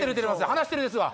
「話してる」ですわ！